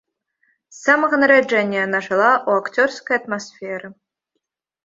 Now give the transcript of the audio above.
З самага нараджэння яна жыла ў акцёрскай атмасферы.